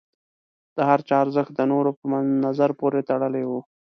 د هر چا ارزښت د نورو په نظر پورې تړلی و.